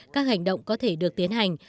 các hành động có thể được tiến hành